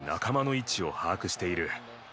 常に仲間の位置を把握している。